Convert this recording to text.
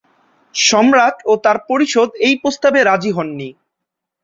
সম্রাট ও তার পরিষদ এই প্রস্তাবে রাজি হননি।